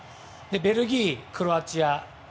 ベルギー、クロアチア。